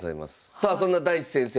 さあそんな大地先生